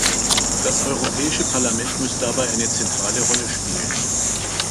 Das Europäische Parlament muss dabei eine zentrale Rolle spielen.